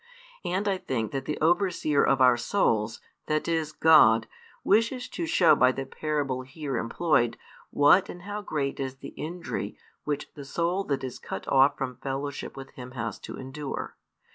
And I think that the Overseer of our souls, that is God, wishes to show by the parable here employed what and how great is the injury which the soul that is cut off from fellowship with Him has to endure.